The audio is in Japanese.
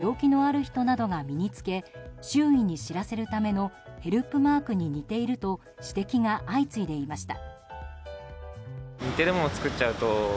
このグッズを巡っては障害や病気のある人などが身に着け周囲に知らせるためのヘルプマークに似ていると指摘が相次いでいました。